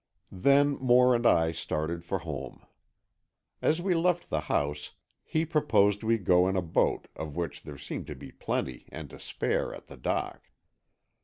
Then Moore and I started for home. As we left the house, he proposed we go in a boat, of which there seemed to be plenty and to spare at the dock.